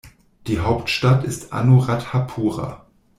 Die Hauptstadt ist Anuradhapura.